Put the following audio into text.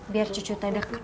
biar cucutnya udah ke cirao